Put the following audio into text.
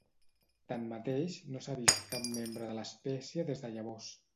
Tanmateix, no s'ha vist cap membre de l'espècie des de llavors.